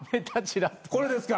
これですか？